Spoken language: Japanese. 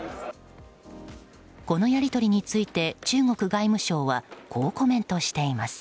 このやり取りについて中国外務省はこうコメントしています。